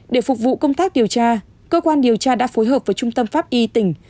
để phục vụ công tác điều tra cơ quan điều tra đã phối hợp với trung tâm pháp y tỉnh